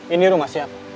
ini rumah siapa